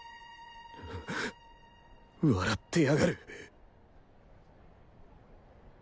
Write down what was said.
笑ってやがる